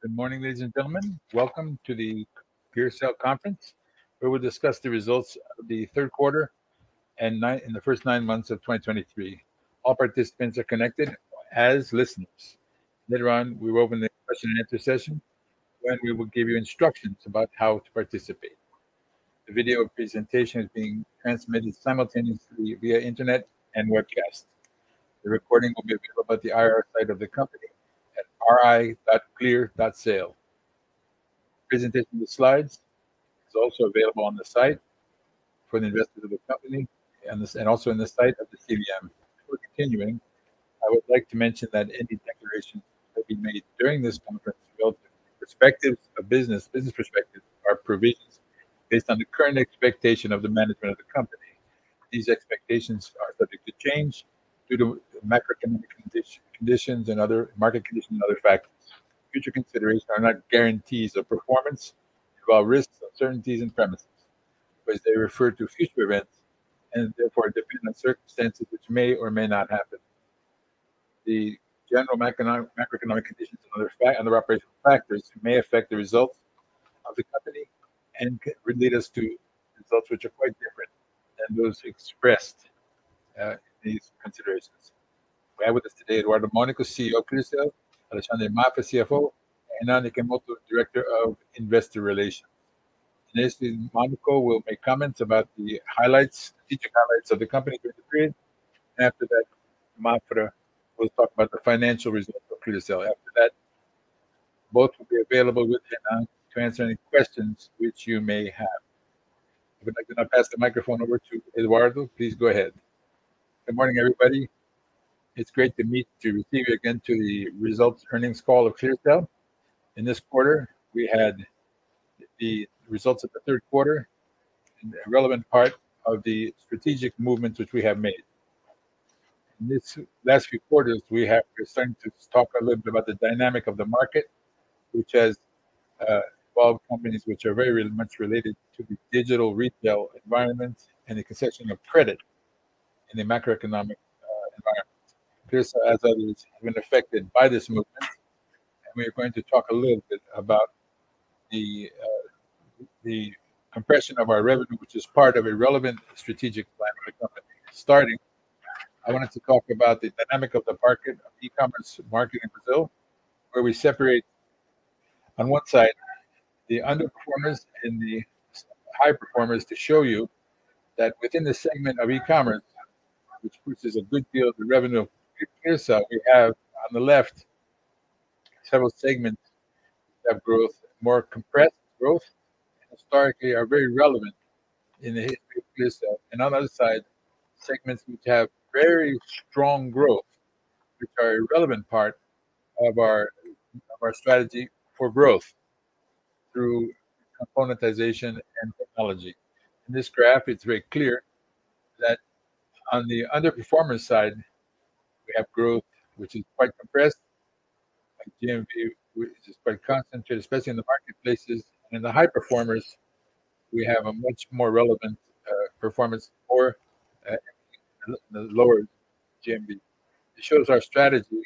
Good morning, ladies and gentlemen. Welcome to the ClearSale Conference, where we'll discuss the results of the third quarter and the first nine months of 2023. All participants are connected as listeners. Later on, we will open the question and answer session, when we will give you instructions about how to participate. The video presentation is being transmitted simultaneously via internet and webcast. The recording will be available at the IR site of the company at ri.clearsale. Presentation of the slides is also available on the site for the investors of the company, and also in the site of the CVM. Before continuing, I would like to mention that any declarations that we make during this conference call, perspectives of business, business perspectives are provisions based on the current expectation of the management of the company. These expectations are subject to change due to macroeconomic conditions and other market conditions and other factors. Future considerations are not guarantees of performance, involve risks, uncertainties, and premises, because they refer to future events and therefore are dependent on circumstances which may or may not happen. The general macroeconomic conditions and other operational factors may affect the results of the company and can lead us to results which are quite different than those expressed in these considerations. We have with us today Eduardo Mônaco, CEO, ClearSale, Alexandre Mafra, CFO, and Ana Okumoto, Director of Investor Relations. Next, Mônaco will make comments about the highlights, key highlights of the company for the period. After that, Mafra will talk about the financial results for ClearSale. After that, both will be available with Ana to answer any questions which you may have. I would like to now pass the microphone over to Eduardo. Please go ahead. Good morning, everybody. It's great to receive you again to the results earnings call of ClearSale. In this quarter, we had the results of the third quarter and a relevant part of the strategic movements which we have made. In this last few quarters, we're starting to talk a little bit about the dynamic of the market, which has 12 companies, which are very much related to the digital retail environment and the concession of credit in the macroeconomic environment. ClearSale, as others, have been affected by this movement, and we are going to talk a little bit about the compression of our revenue, which is part of a relevant strategic plan for the company. Starting, I wanted to talk about the dynamic of the market, of e-commerce market in Brazil, where we separate on one side, the underperformers and the high performers, to show you that within the segment of e-commerce, which produces a good deal of the revenue for ClearSale, we have on the left, several segments that growth, more compressed growth, and historically are very relevant in the history of ClearSale. And on the other side, segments which have very strong growth, which are a relevant part of our strategy for growth through componentization and technology. In this graph, it's very clear that on the underperformer side, we have growth, which is quite compressed, like GMV, which is quite concentrated, especially in the marketplaces. And in the high performers, we have a much more relevant performance for the lower GMV. It shows our strategy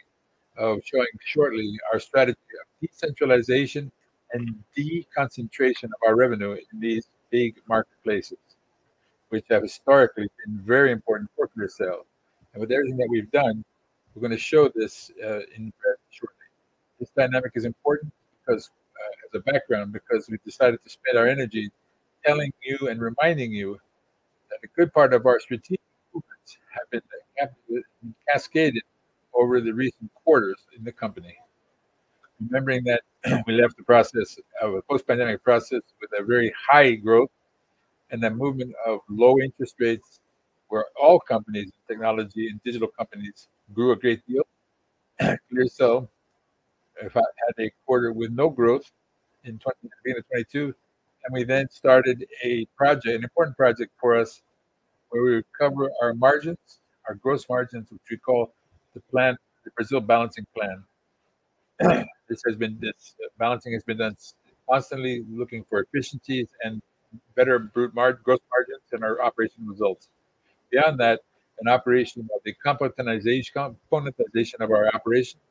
of showing shortly our strategy of decentralization and deconcentration of our revenue in these big marketplaces, which have historically been very important for ClearSale. And with everything that we've done, we're going to show this, in very shortly. This dynamic is important because, as a background, because we've decided to spend our energy telling you and reminding you that a good part of our strategic movements have been cascaded over the recent quarters in the company. Remembering that we left the process of a post-pandemic process with a very high growth and a movement of low interest rates, where all companies, technology and digital companies, grew a great deal. ClearSale, in fact, had a quarter with no growth in 2022, and we then started a project, an important project for us, where we recover our margins, our gross margins, which we call the plan—the Brazil balancing plan. This has been—this balancing has been done constantly, looking for efficiencies and better gross margins in our operational results. Beyond that, an operation of the componentization, componentization of our operations,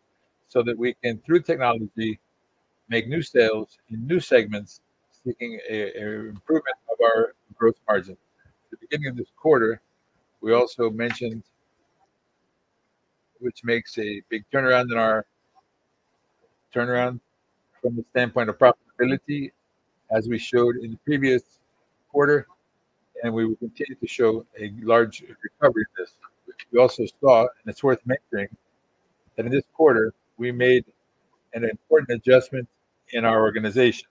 so that we can, through technology, make new sales in new segments, seeking a, a improvement of our growth margin. At the beginning of this quarter, we also mentioned, which makes a big turnaround in our—turnaround from the standpoint of profitability, as we showed in the previous quarter, and we will continue to show a large recovery of this. We also saw, and it's worth mentioning, that in this quarter, we made an important adjustment in our organization,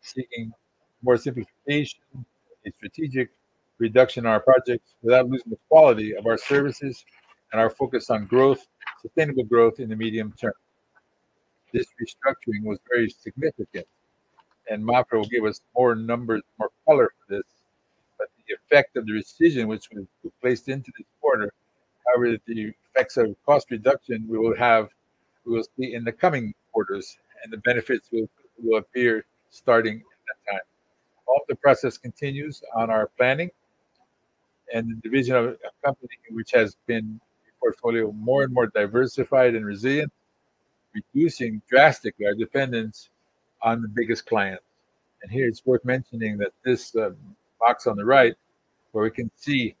seeking more simplification, a strategic reduction in our projects, without losing the quality of our services and our focus on growth, sustainable growth in the medium term. This restructuring was very significant, and Mafra will give us more numbers, more color for this, but the effect of the decision which we placed into this quarter. However, the effects of cost reduction we will have, we will see in the coming quarters, and the benefits will, will appear starting in that time. All of the process continues on our planning... and the division of a company which has been a portfolio more and more diversified and resilient, reducing drastically our dependence on the biggest clients. Here, it's worth mentioning that this, box on the right, where we can see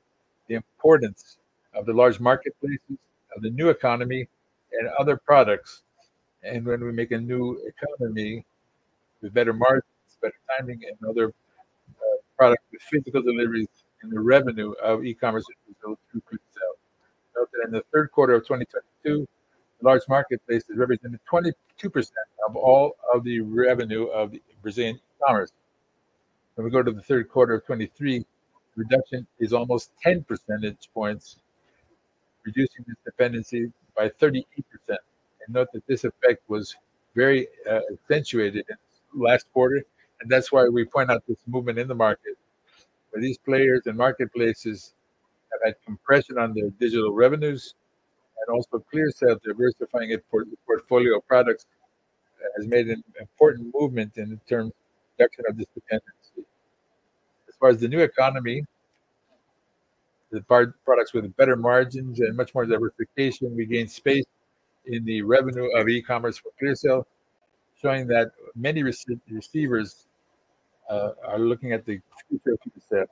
the importance of the large marketplaces, of the new economy, and other products. And when we make a new economy with better margins, better timing, and other, product with physical deliveries and the revenue of e-commerce, itself. Note that in the third quarter of 2022, large marketplaces represented 22% of all of the revenue of the Brazilian commerce. When we go to the third quarter of 2023, reduction is almost 10 percentage points, reducing this dependency by 38%. And note that this effect was very, accentuated in last quarter, and that's why we point out this movement in the market. Where these players and marketplaces have had compression on their digital revenues, and also ClearSale diversifying its portfolio of products, has made an important movement in terms of reduction of this dependency. As far as the new economy, the products with better margins and much more diversification, we gained space in the revenue of e-commerce for ClearSale, showing that many receivers are looking at the way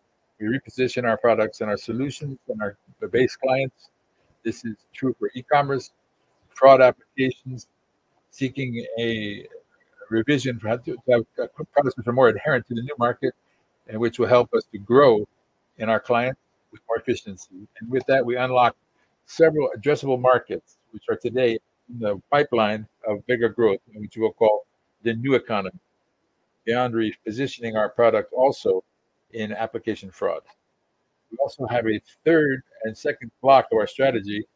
we reposition our products and our solutions and our base clients. This is true for e-commerce, fraud applications, seeking a revision to have products which are more inherent to the new market, and which will help us to grow in our client with more efficiency. And with that, we unlock several addressable markets, which are today the pipeline of bigger growth, which we will call the new economy, beyond repositioning our product also in application fraud. We also have a third and second block to our strategy,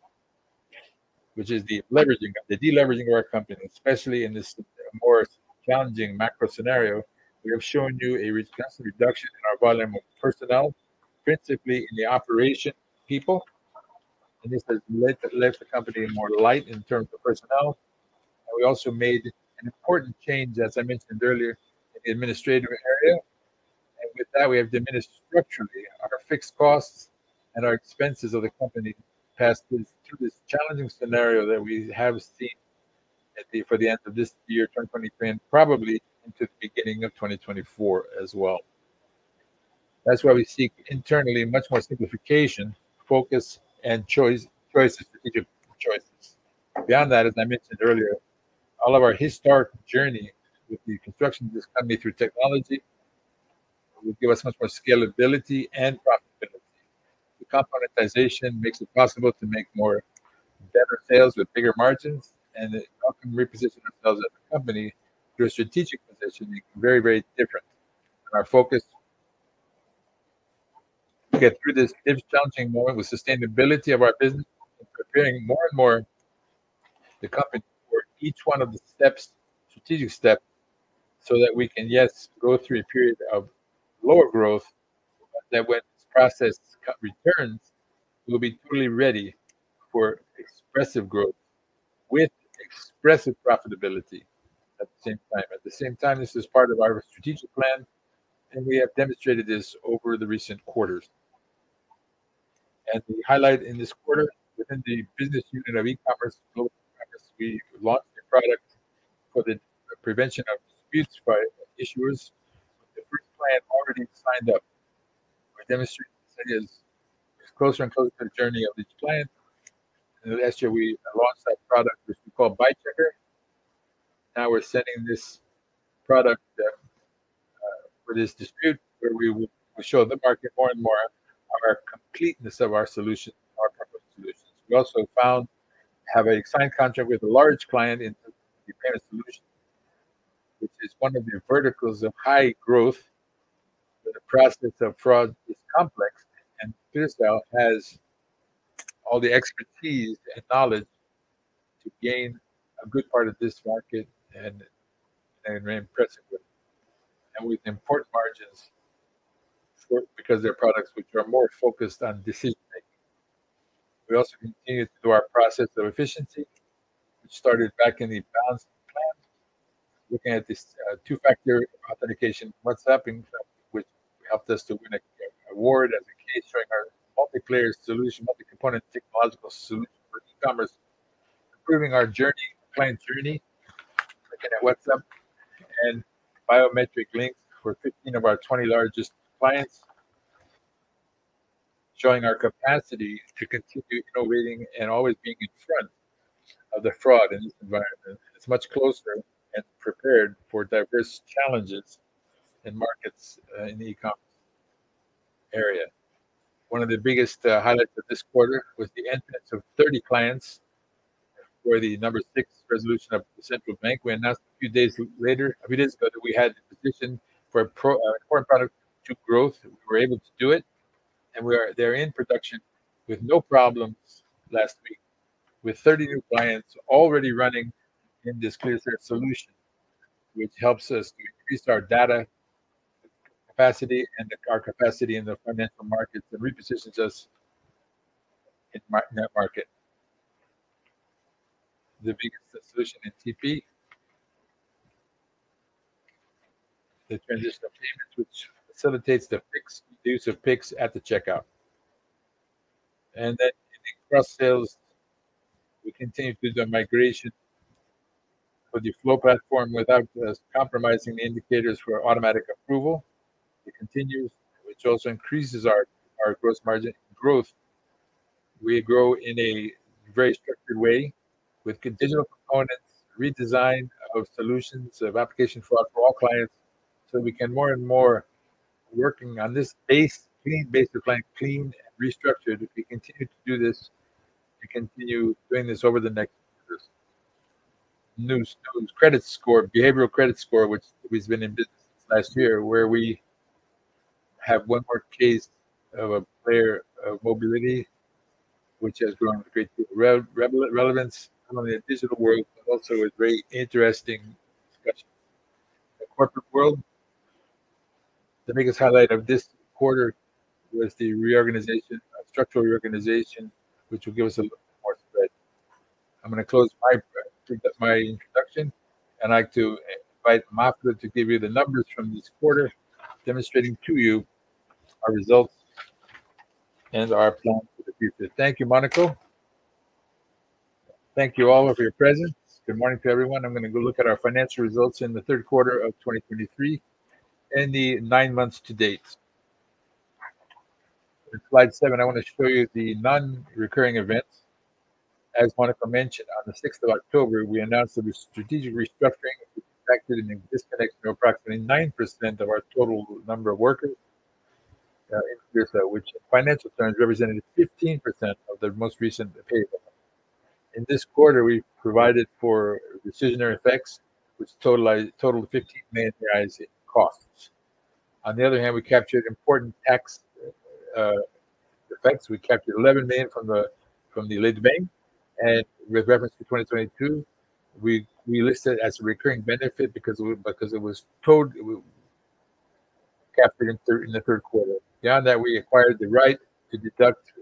which is the leveraging, the deleveraging of our company, especially in this more challenging macro scenario. We have shown you a massive reduction in our volume of personnel, principally in the operation people, and this has left, left the company more light in terms of personnel. And we also made an important change, as I mentioned earlier, in the administrative area. And with that, we have diminished structurally our fixed costs and our expenses of the company past this, through this challenging scenario that we have seen at the, for the end of this year, 2023, and probably into the beginning of 2024 as well. That's why we seek internally much more simplification, focus, and choice, choices, strategic choices. Beyond that, as I mentioned earlier, all of our historic journey with the construction of this company through technology, will give us much more scalability and profitability. The Componentization makes it possible to make more better sales with bigger margins, and it help them reposition ourselves as a company through a strategic position, very, very different. Our focus to get through this challenging moment with sustainability of our business, and preparing more and more the company for each one of the steps, strategic step, so that we can, yes, go through a period of lower growth, but that when this process returns, we'll be totally ready for expressive growth with expressive profitability at the same time. At the same time, this is part of our strategic plan, and we have demonstrated this over the recent quarters. The highlight in this quarter, within the business unit of e-commerce global practice, we launched a product for the prevention of disputes by issuers, with the first client already signed up. We're demonstrating this is closer and closer to the journey of each client. Last year, we launched that product, which we call Buy Checker. Now we're sending this product for this dispute, where we will show the market more and more our completeness of our solution, our proposed solutions. We also have a signed contract with a large client into repair solution, which is one of the verticals of high growth, where the process of fraud is complex, and ClearSale has all the expertise and knowledge to gain a good part of this market and very impressively, with important margins, because they're products which are more focused on decision-making. We also continued through our process of efficiency, which started back in the balancing plan, looking at this, two-factor authentication, WhatsApp, which helped us to win a, a award as a case showing our multi-player solution, multi-component, technological solution for e-commerce, improving our journey, client journey, looking at WhatsApp and biometric links for 15 of our 20 largest clients. Showing our capacity to continue innovating and always being in front of the fraud in this environment. It's much closer and prepared for diverse challenges in markets, in the e-commerce area. One of the biggest highlights of this quarter was the entrance of 30 clients for Resolution No. 6 of the Central Bank. We announced a few days later, I mean, this, but we had the position for a foreign product to growth, and we were able to do it. We are, they're in production with no problems last week, with 30 new clients already running in this ClearSale solution, which helps us to increase our data capacity and our capacity in the financial markets, and repositions us in main net market. The biggest solution in ITP? The transaction of payment, which facilitates the Pix, the use of Pix at the checkout. In the cross sales, we continue to do the migration for the Flow platform without compromising the indicators for automatic approval. It continues, which also increases our gross margin growth. We grow in a very structured way with digital components, redesign of solutions, of application for our for all clients, so we can more and more working on this base, clean base of client, clean and restructured. If we continue to do this, we continue doing this over the next years. Nubank's credit score, behavioral credit score, which has been in business last year, where we have one more case of a player of mobility, which has grown a great relevance not only in digital world, but also a very interesting discussion. The corporate world, the biggest highlight of this quarter was the reorganization, structural reorganization, which will give us a more spread. I'm going to close my introduction, and I'd like to invite M��naco to give you the numbers from this quarter, demonstrating to you our results and our plans for the future. Thank you, Monaco. Thank you all for your presence. Good morning to everyone. I'm going to go look at our financial results in the third quarter of 2023 and the nine months to date. In slide seven, I want to show you the non-recurring events. As Mônaco mentioned, on the sixth of October, we announced a strategic restructuring, which affected and disconnected approximately 9% of our total number of workers, which in financial terms represented 15% of the most recent payroll. In this quarter, we provided for severance effects, which totaled 15 million in costs. On the other hand, we captured important tax effects. We captured 11 million from the lead bank, and with reference to 2022, we listed as a recurring benefit because it was captured in the third quarter. Beyond that, we acquired the right to deduct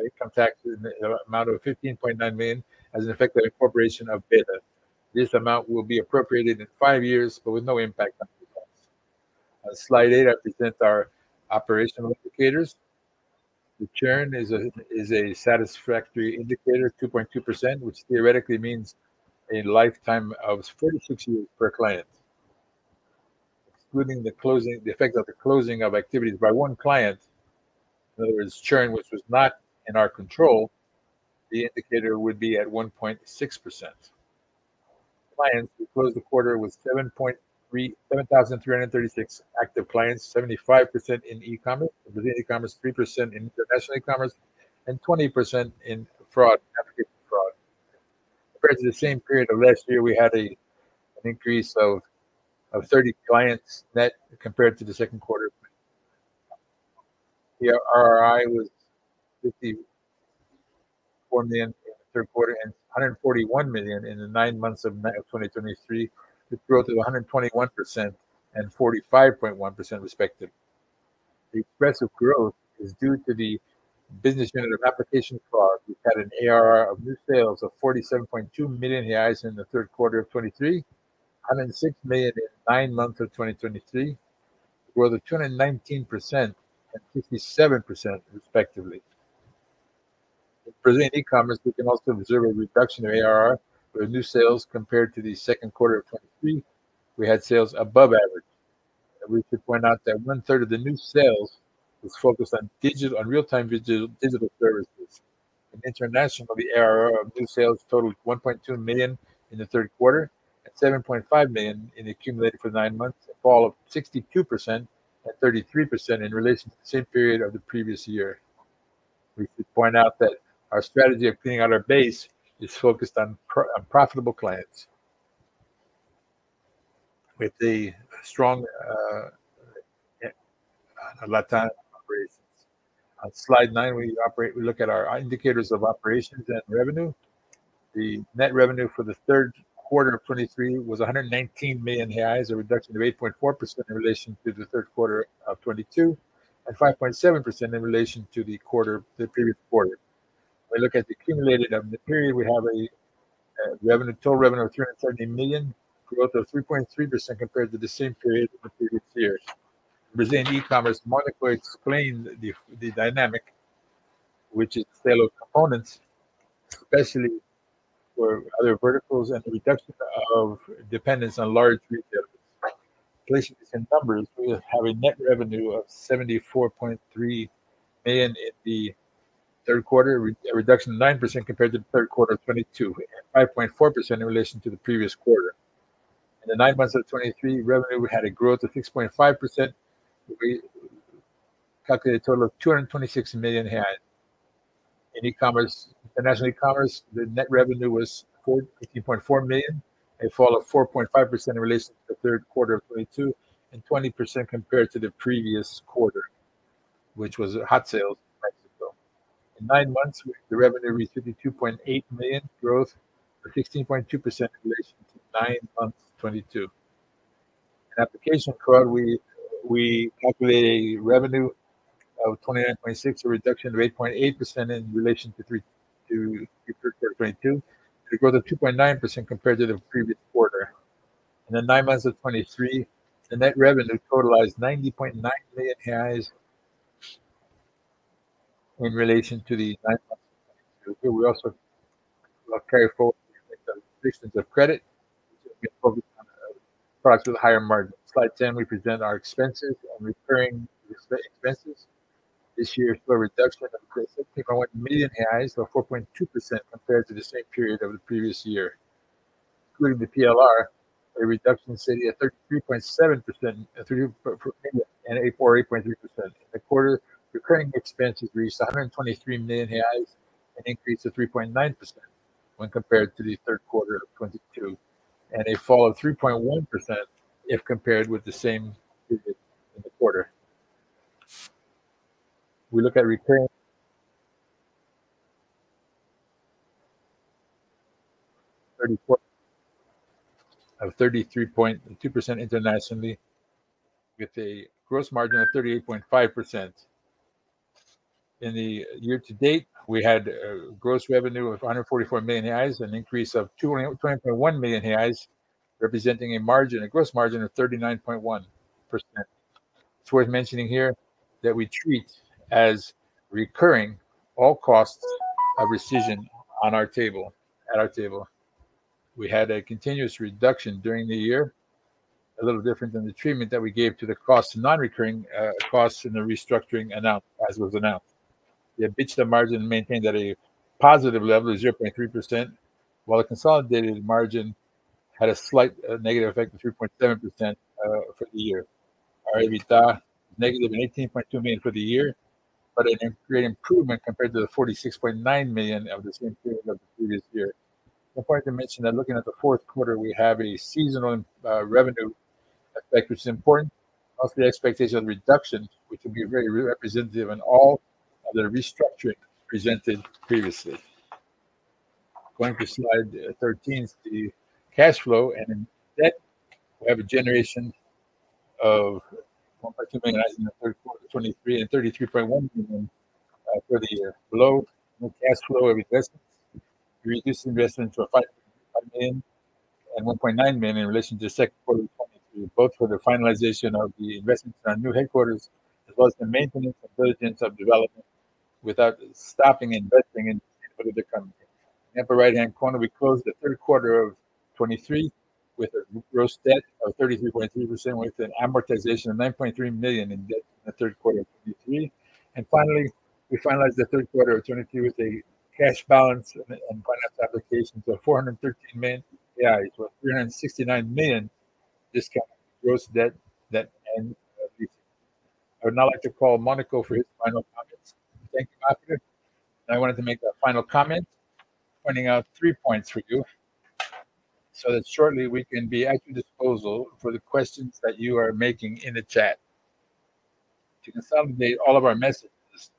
income tax in the amount of 15.9 million as an effective incorporation of EBITDA. This amount will be appropriated in five years, but with no impact on the cost. Slide eight represents our operational indicators. The churn is a satisfactory indicator, 2.2%, which theoretically means a lifetime of 46 years per client. Excluding the effect of the closing of activities by one client, in other words, churn, which was not in our control, the indicator would be at 1.6%. Clients, we closed the quarter with 7,336 active clients, 75% in e-commerce, Brazilian e-commerce, 3% in international e-commerce, and 20% in fraud, application fraud. Compared to the same period of last year, we had an increase of thirty clients net compared to the second quarter. The ARR was 54 million in the third quarter and 141 million in the nine months of May of 2023, with growth of 121% and 45.1% respectively. The impressive growth is due to the business unit of Application Fraud, which had an ARR of new sales of 47.2 million reais in the third quarter of 2023, 106 million in nine months of 2023, where the 219% and 57% respectively. For the e-commerce, we can also observe a reduction in ARR, where new sales compared to the second quarter of 2023, we had sales above average. We should point out that one third of the new sales was focused on digital, on real-time digital services. In international, the ARR of new sales totaled 1.2 million in the third quarter and 7.5 million accumulated for nine months, a fall of 62% and 33% in relation to the same period of the previous year. We should point out that our strategy of cleaning out our base is focused on profitable clients with the strong Latam operations. On slide 9, we look at our indicators of operations and revenue. The net revenue for the third quarter of 2023 was 119 million reais, a reduction of 8.4% in relation to the third quarter of 2022, and 5.7% in relation to the previous quarter. We look at the accumulated of the period, we have a revenue, total revenue of 330 million, growth of 3.3% compared to the same period of the previous years. Brazilian e-commerce, M��naco explained the dynamic, which is sale of components, especially for other verticals and reduction of dependence on large retailers. Placing the same numbers, we have a net revenue of 74.3 million in the third quarter, a reduction of 9% compared to the third quarter of 2022, and 5.4% in relation to the previous quarter. In the nine months of 2023, revenue, we had a growth of 6.5%. We calculate a total of 226 million had. In e-commerce international e-commerce, the net revenue was 15.4 million, a fall of 4.5% in relation to the third quarter of 2022, and 20% compared to the previous quarter, which was Hot Sale in Mexico. In nine months, the revenue reached 52.8 million, growth of 16.2% in relation to nine months, 2022. In Application Fraud, we calculated a revenue... of 29.6, a reduction of 8.8% in relation to 3 to 3.2. It grew to 2.9% compared to the previous quarter. In the nine months of 2023, the net revenue totalized 90.9 million reais in relation to the nine months of 2022. We also carry forward the restrictions of credit, which focused on products with higher margins. Slide 10, we present our expenses and recurring expenses. This year saw a reduction of BRL 61 million, or 4.2% compared to the same period of the previous year. Including the PLR, a reduction of 33.7%, and 48.3%. In the quarter, recurring expenses reached 123 million reais, an increase of 3.9% when compared to the third quarter of 2022, and a fall of 3.1% if compared with the same period in the quarter. We look at recurring 34, of 33.2% internationally, with a gross margin of 38.5%. In the year to date, we had a gross revenue of 144 million reais, an increase of 201.1 million reais, representing a margin, a gross margin of 39.1%. It's worth mentioning here that we treat as recurring all costs of rescission on our table, at our table. We had a continuous reduction during the year, a little different than the treatment that we gave to the cost of non-recurring costs in the restructuring announced, as was announced. The EBITDA margin maintained at a positive level of 0.3%, while the consolidated margin had a slight negative effect of 3.7% for the year. Our EBITDA, negative 18.2 million for the year, but a great improvement compared to the 46.9 million of the same period of the previous year. Important to mention that looking at the fourth quarter, we have a seasonal revenue effect, which is important. Also, the expectation of reduction, which will be very representative in all of the restructuring presented previously. Going to slide 13 is the cash flow and debt. We have a generation of 1.2 million in the third quarter 2023 and 33.1 million, uh, for the year. Below, no cash flow of investments. We reduced investment to 5.5 million and 1.9 million in relation to the second quarter of 2022, both for the finalization of the investments in our new headquarters, as well as the maintenance and diligence of development without stopping investing in the company. In the upper right-hand corner, we closed the third quarter 2023 with a gross debt of 33.3%, with an amortization of 9.3 million in debt in the third quarter 2023. And finally, we finalized the third quarter 2023 with a cash balance on finance applications of 413 million reais, with 369 million discount gross debt that end of year. I would now like to call Mônaco for his final comments. Thank you, Mafra. I wanted to make a final comment, pointing out three points for you, so that shortly we can be at your disposal for the questions that you are making in the chat. To consolidate all of our messages,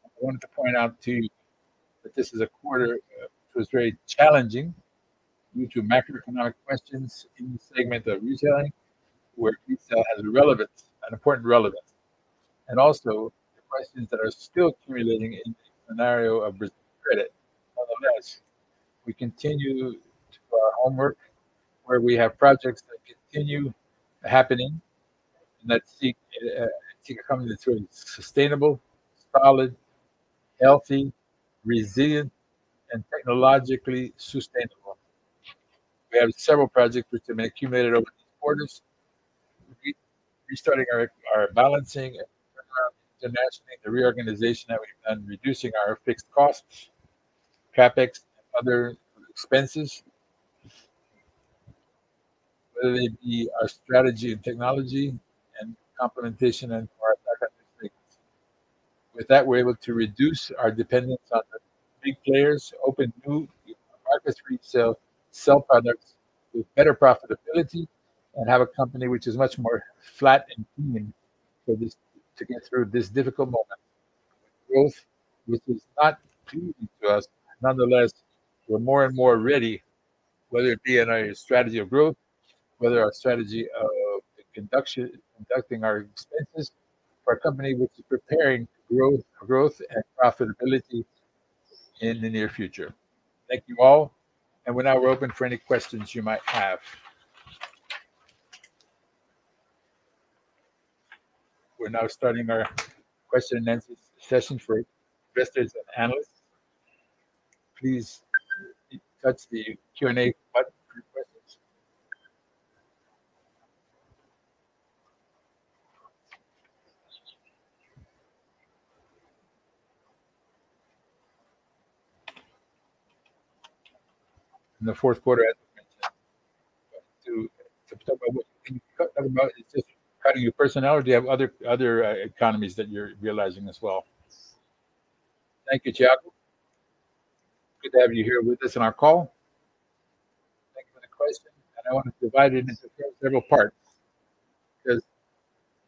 I wanted to point out to you that this is a quarter which was very challenging due to macroeconomic questions in the segment of retailing, where retail has a relevance, an important relevance, and also the questions that are still accumulating in the scenario of risk credit. Nonetheless, we continue to do our homework, where we have projects that continue happening and that seek a company that's really sustainable, solid, healthy, resilient, and technologically sustainable. We have several projects which have accumulated over the quarters, restarting our balancing, international, the reorganization that we've done, reducing our fixed costs, CapEx, other expenses, whether they be our strategy and technology and complementation and our academic strengths. With that, we're able to reduce our dependence on the big players, open new markets for itself, sell products with better profitability, and have a company which is much more flat and human for this to get through this difficult moment. Growth, which is not easy to us, nonetheless, we're more and more ready, whether it be in our strategy of growth, whether our strategy of conducting our expenses, for a company which is preparing growth, growth and profitability in the near future. Thank you all, and we're now open for any questions you might have. We're now starting our question and answer session for investors and analysts. Please touch the Q&A button for your questions. In the fourth quarter, I have to talk about, it's just cutting your personnel or do you have other economies that you're realizing as well? Thank you, Jacob. Good to have you here with us on our call. Thank you for the question, and I want to divide it into several parts, because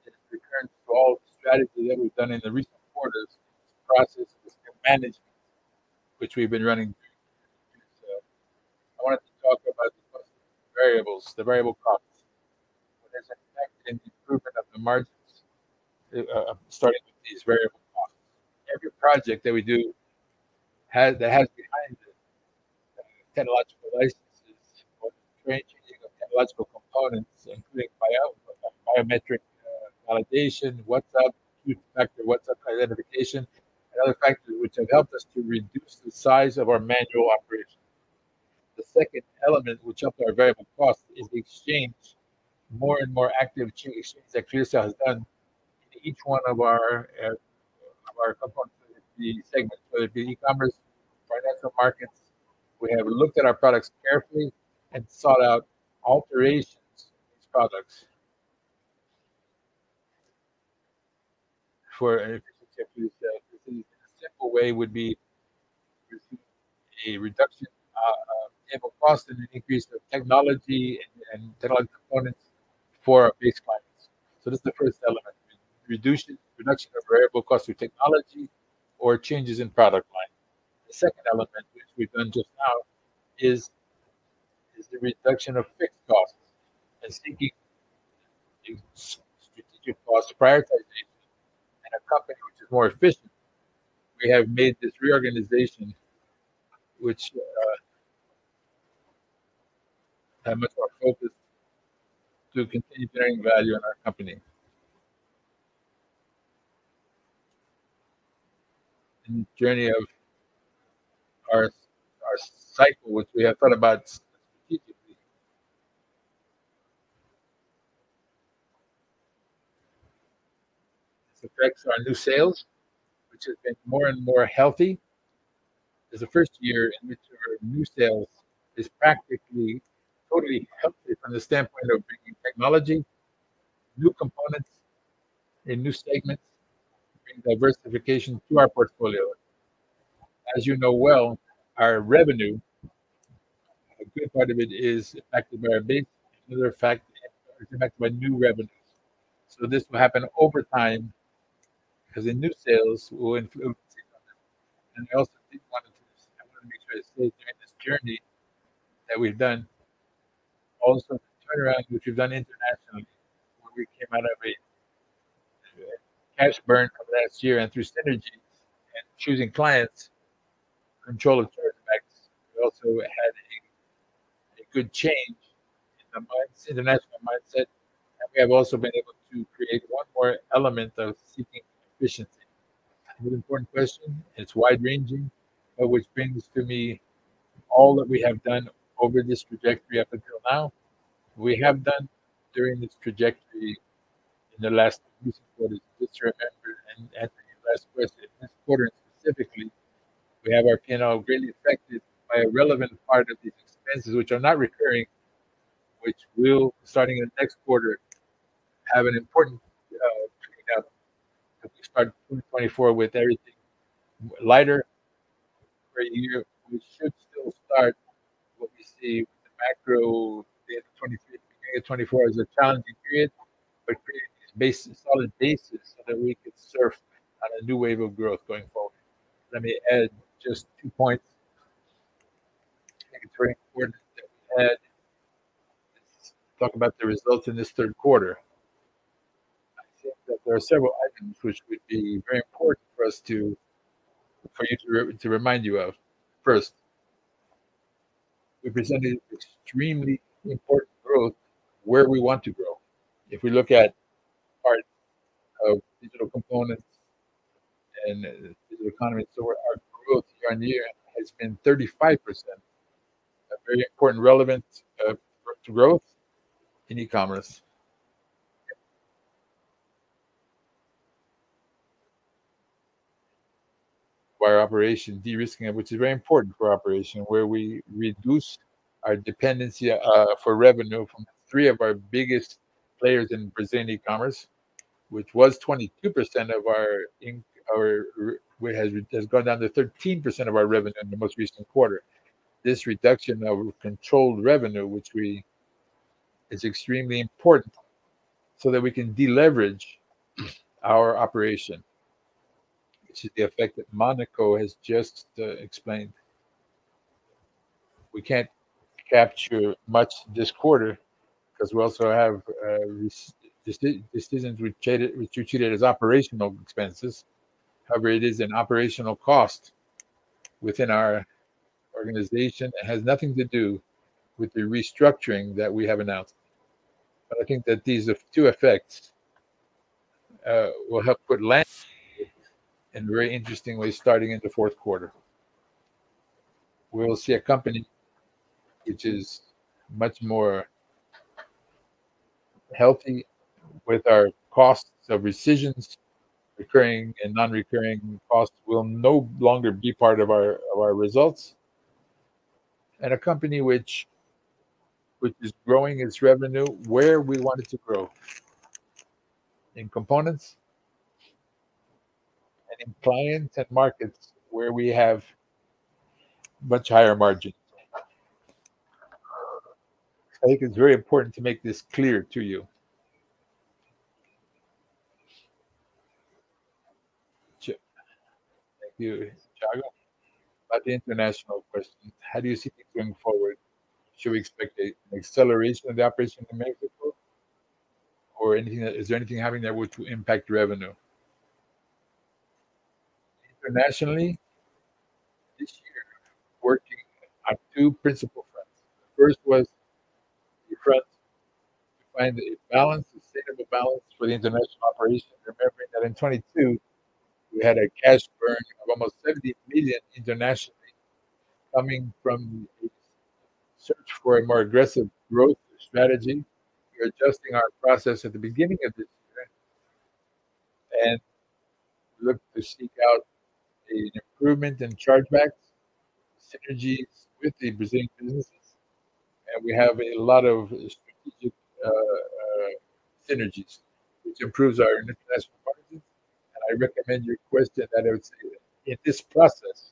it refers to all the strategy that we've done in the recent quarters, this process, risk management, which we've been running through. I wanted to talk about the cost variables, the variable costs, where there's an effect in improvement of the margins, starting with these variable costs. Every project that we do has, that has behind it, technological licenses or changing of technological components, including biometric validation, WhatsApp two-factor, WhatsApp identification, and other factors which have helped us to reduce the size of our manual operations. The second element, which helped our variable cost, is the changes. More and more active changes that ClearSale has done in each one of our components, the segments, whether it be e-commerce, financial markets. We have looked at our products carefully and sought out alterations in these products. For efficiency's sake, this in a simple way would be a reduction of variable cost and an increase of technology and technological components for our base clients. So that's the first element, reduction of variable cost through technology or changes in product line. The second element, which we've done just now, is the reduction of fixed costs and seeking strategic cost prioritization in a company which is more efficient. We have made this reorganization, which, have much more focus to continue creating value in our company. In journey of our cycle, which we have thought about strategically. This affects our new sales, which have been more and more healthy. It's the first year in which our new sales is practically totally healthy from the standpoint of bringing technology, new components, and new segments, bring diversification to our portfolio. As you know well, our revenue, a good part of it is impacted by our base. Another factor, it's impacted by new revenues. So this will happen over time, because the new sales will influence. And I also think wanted to—I wanna make sure to say during this journey that we've done also the turnaround, which we've done internationally, where we came out of a cash burn from last year, and through synergies and choosing clients, control the current effects. We also had a good change in the minds, international mindset, and we have also been able to create one more element of seeking efficiency. An important question, it's wide-ranging, but which brings to me all that we have done over this trajectory up until now. We have done during this trajectory in the last recent quarter, just remember, and answering your last question, this quarter specifically, we have our P&L greatly affected by a relevant part of these expenses, which are not recurring, which will, starting in the next quarter, have an important cleanup as we start 2024 with everything lighter. Right here, we should still start what we see with the macro, the 2023-2024 as a challenging period, but creating this basis, solid basis so that we could surf on a new wave of growth going forward. Let me add just two points. I think it's very important that we had... Let's talk about the results in this third quarter. I think that there are several items which would be very important for you to remind you of. First, we presented extremely important growth where we want to grow. If we look at part of digital components and digital economy, so our growth year-over-year has been 35%. A very important relevant growth in e-commerce. Where operation de-risking, which is very important for operation, where we reduce our dependency for revenue from three of our biggest players in Brazilian e-commerce, which was 22% of our revenue, which has gone down to 13% of our revenue in the most recent quarter. This reduction of controlled revenue, which we is extremely important, so that we can deleverage our operation, which is the effect that Mônaco has just explained. We can't capture much this quarter because we also have decisions which you treat it as operational expenses. However, it is an operational cost within our organization. It has nothing to do with the restructuring that we have announced. But I think that these two effects will help put less, and very interestingly, starting in the fourth quarter. We will see a company which is much more healthy with our costs of rescissions, recurring and non-recurring costs will no longer be part of our results, and a company which is growing its revenue where we want it to grow, in components and in clients and markets where we have much higher margin. I think it's very important to make this clear to you. Thank you, Thiago. About the international question, how do you see things going forward? Should we expect an acceleration of the operation in Mexico, or anything that is there anything happening that would impact revenue? Internationally, this year, we're working on two principal fronts. The first was the front to find a balance, a sustainable balance for the international operations, remembering that in 2022, we had a cash burn of almost $70 million internationally, coming from a search for a more aggressive growth strategy. We are adjusting our process at the beginning of this year, and look to seek out an improvement in chargebacks, synergies with the Brazilian businesses, and we have a lot of strategic synergies, which improves our international margins. And I recommend your question, and I would say that in this process,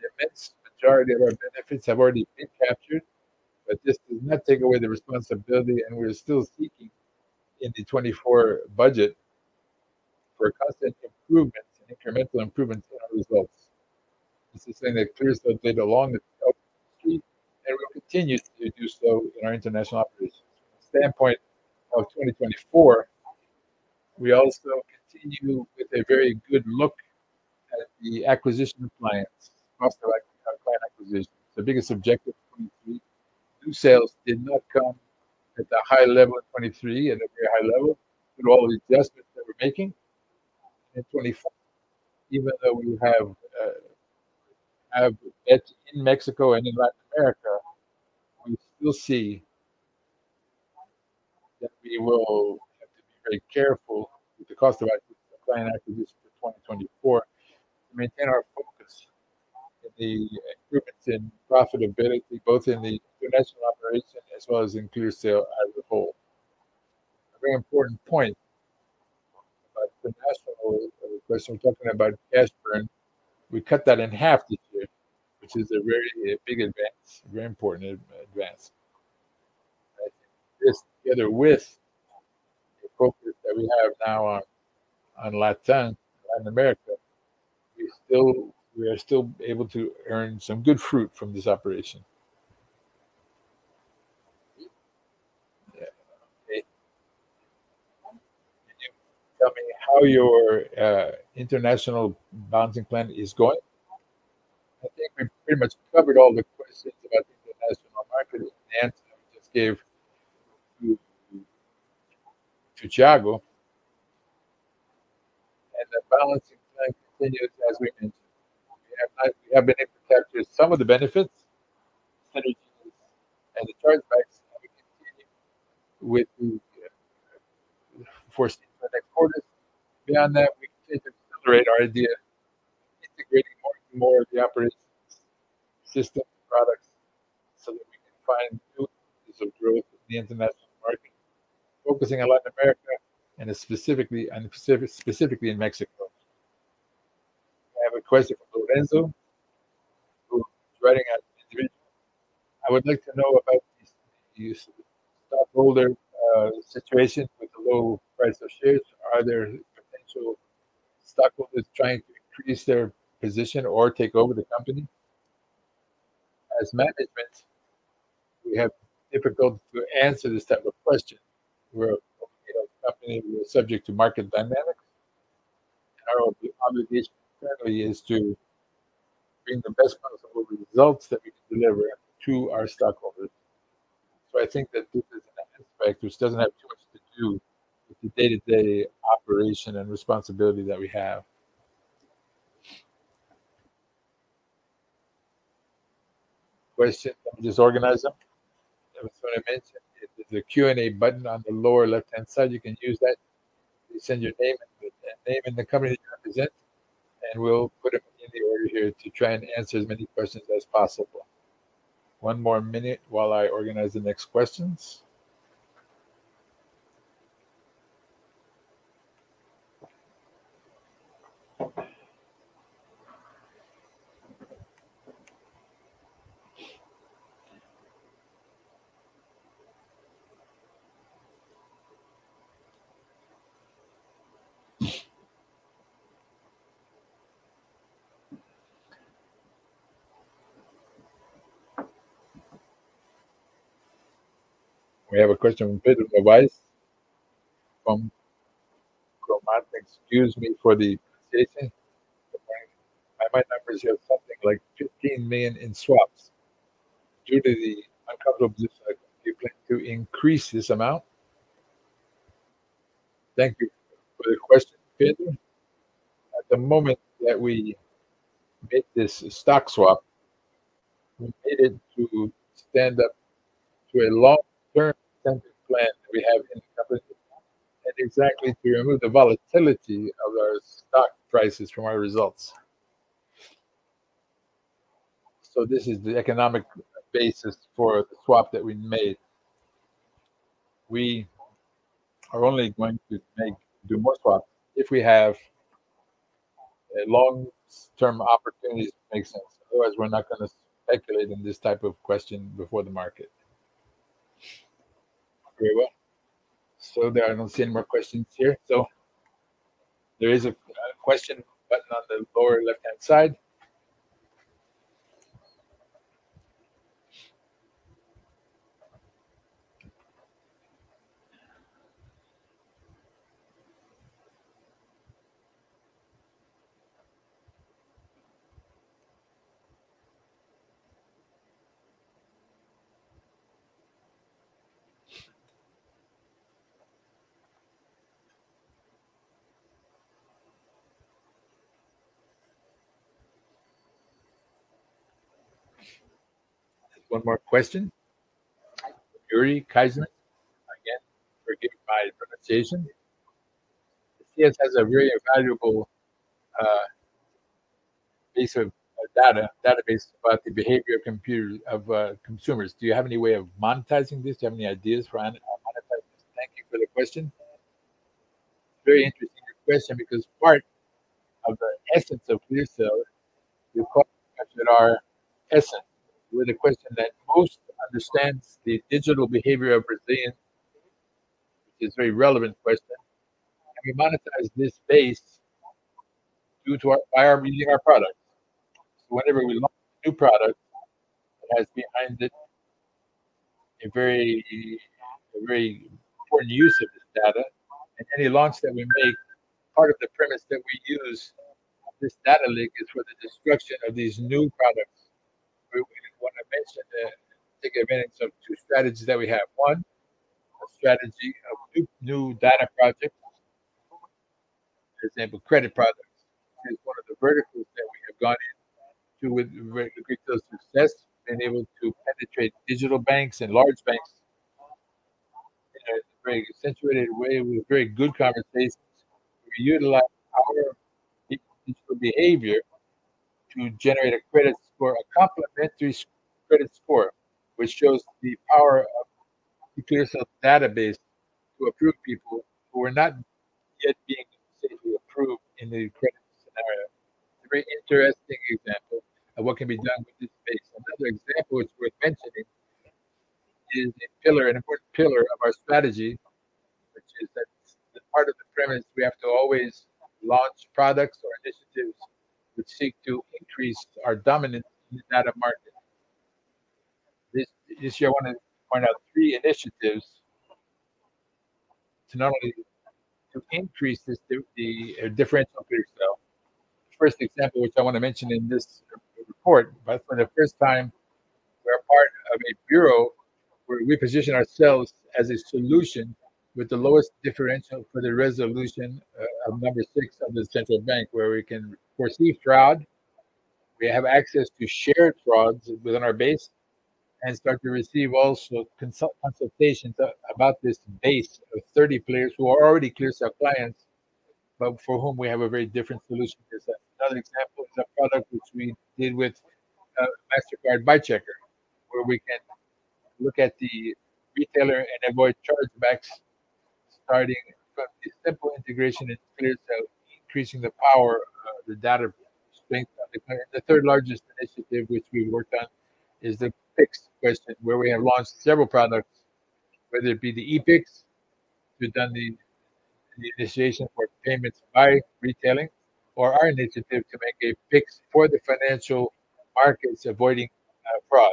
the immense majority of our benefits have already been captured, but this does not take away the responsibility, and we're still seeking in the 2024 budget for constant improvements and incremental improvements in our results. This is something that ClearSale did along the street, and we'll continue to do so in our international operations. From the standpoint of 2024, we also continue with a very good look at the acquisition of clients, cost of client acquisition. The biggest objective of 2023, new sales did not come at a high level in 2023, at a very high level, through all the adjustments that we're making. In 2024, even though we have edge in Mexico and in Latin America, we still see that we will have to be very careful with the cost of client acquisition for 2024, to maintain our focus in the improvements in profitability, both in the international operation as well as in ClearSale as a whole. A very important point, about the national question, talking about cash burn, we cut that in half this year, which is a very big advance, a very important advance. This, together with the focus that we have now on Latin America, we are still able to earn some good fruit from this operation. Yeah, okay. Can you tell me how your international balancing plan is going? I think we pretty much covered all the questions about the international market in the answer I just gave to Thiago. And the balancing plan continues as we mentioned. We have been able to capture some of the benefits, synergies, and the chargebacks, and we continue with the for the next quarters. Beyond that, we continue to accelerate our idea, integrating more and more of the operations, system, products, so that we can find new areas of growth in the international market, focusing on Latin America, and specifically in Mexico. I have a question from Lorenzo, who is writing as individual. I would like to know about the, the stockholder situation with the low price of shares. Are there potential stockholders trying to increase their position or take over the company? As management, we have difficulty to answer this type of question. We're, you know, a company, we are subject to market dynamics, and our obligation currently is to bring the best possible results that we can deliver to our stockholders. So I think that this is an aspect which doesn't have too much to do with the day-to-day operation and responsibility that we have. Question, let me just organize them. I just wanna mention, there's a Q&A button on the lower left-hand side, you can use that to send your name and the company that you represent, and we'll put them in the order here to try and answer as many questions as possible. One more minute while I organize the next questions. We have a question from Peter Weiss, from Kromant. Excuse me for the pronunciation. I might not preserve something like 15 million in swaps due to the uncomfortable... Do you plan to increase this amount? Thank you for the question, Peter. At the moment that we made this stock swap, we made it to stand up to a long-term centric plan that we have in the company, and exactly to remove the volatility of our stock prices from our results. So this is the economic basis for the swap that we made. We are only going to make more swaps if we have long-term opportunities to make sense; otherwise, we're not gonna speculate in this type of question before the market. Very well. So there, I don't see any more questions here. So there is a question button on the lower left-hand side. One more question. Yuri Keiserman, again, forgive my pronunciation. "CS has a very valuable piece of data database about the behavior of computers of consumers. Do you have any way of monetizing this? Do you have any ideas for monetizing this?" Thank you for the question. Very interesting question, because part of the essence of ClearSale, you caught question our essence with a question that most understands the digital behavior of Brazilians, which is a very relevant question. And we monetize this base by our using our products. So whenever we launch a new product, it has behind it a very, a very important use of this data. And any launch that we make, part of the premise that we use this data lake, is for the distribution of these new products. We want to mention that and take advantage of two strategies that we have. One, a strategy of new data projects. For example, credit products is one of the verticals that we have got into with ClearSale success, and able to penetrate digital banks and large banks in a very accentuated way, with very good conversations. We utilize our digital behavior to generate a credit score, a complimentary credit score, which shows the power of ClearSale database to approve people who are not yet being safely approved in the credit scenario. A very interesting example of what can be done with this space. Another example, which worth mentioning, is a pillar, an important pillar of our strategy, which is that the part of the premise, we have to always launch products or initiatives which seek to increase our dominance in the data market. This year, I want to point out three initiatives to not only to increase this, the differential of ClearSale. First example, which I want to mention in this report, but for the first time, we're a part of a bureau where we position ourselves as a solution with the lowest differential for the resolution of number six of the Central Bank, where we can foresee fraud. We have access to shared frauds within our base and start to receive also consultations about this base of 30 players who are already ClearSale clients, but for whom we have a very different solution. Another example is a product which we did with Mastercard Buy Checker, where we can look at the retailer and avoid chargebacks, starting from the simple integration in ClearSale, increasing the power of the data strength. The third largest initiative which we worked on is the Pix question, where we have launched several products, whether it be the Pix, we've done the initiation for payments by retailing, or our initiative to make a Pix for the financial markets avoiding fraud.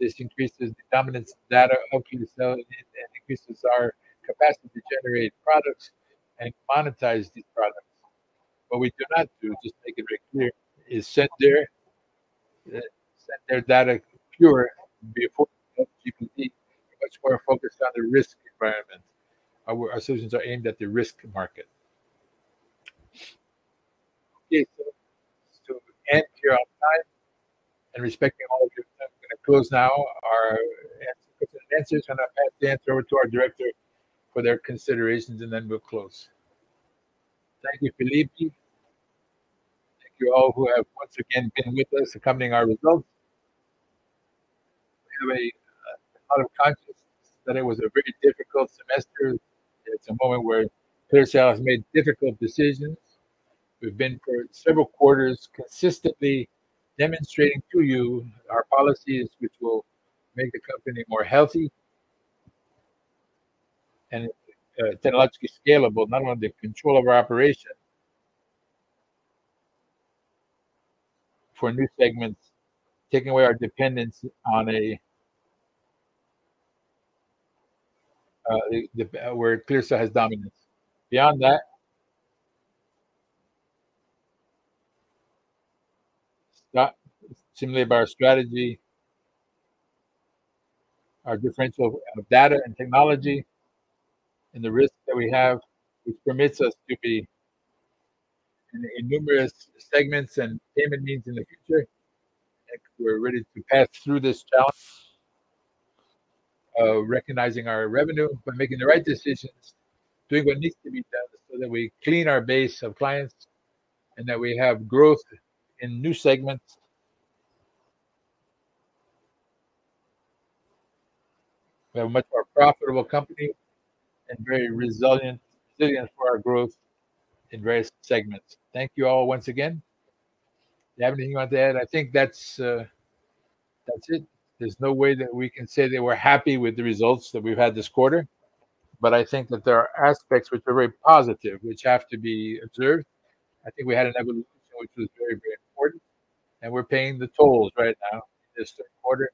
This increases the dominance of data of ClearSale and increases our capacity to generate products and monetize these products. What we do not do, just to make it very clear, is send their data pure before GPT, much more focused on the risk environment. Our solutions are aimed at the risk market. Okay, so to end here on time and respecting all of your time, I'm going to close now our answers, and I'll pass the answer over to our director for their considerations, and then we'll close. Thank you, Felipe. Thank you all who have once again been with us, accompanying our results. We have a lot of consciousness that it was a very difficult semester. It's a moment where ClearSale has made difficult decisions. We've been for several quarters consistently demonstrating to you our policies, which will make the company more healthy and technologically scalable, not only the control of our operation for new segments, taking away our dependence on where ClearSale has dominance. Beyond that, similarly, by our strategy, our differential of data and technology, and the risk that we have, which permits us to be in numerous segments and payment means in the future. I think we're ready to pass through this challenge of recognizing our revenue, but making the right decisions, doing what needs to be done so that we clean our base of clients and that we have growth in new segments. We have a much more profitable company and very resilient for our growth in various segments. Thank you all once again. Do you have anything you want to add? I think that's, that's it. There's no way that we can say that we're happy with the results that we've had this quarter, but I think that there are aspects which are very positive, which have to be observed. I think we had an evolution which was very, very important, and we're paying the tolls right now, this quarter,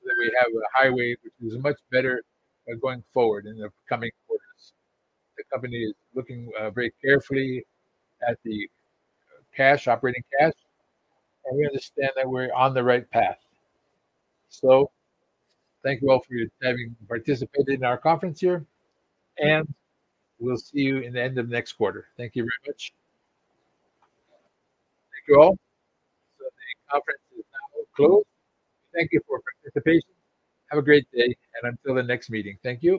so that we have a highway, which is much better, going forward in the coming quarters. The company is looking, very carefully at the cash, operating cash, and we understand that we're on the right path. So thank you all for your having participated in our conference here, and we'll see you in the end of next quarter. Thank you very much. Thank you all. So the conference is now closed. Thank you for your participation. Have a great day, and until the next meeting. Thank you.